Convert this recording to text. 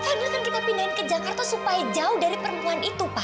nanti akan kita pindahin ke jakarta supaya jauh dari perempuan itu pak